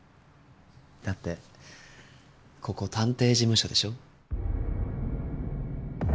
だってここ探偵事務所でしょ？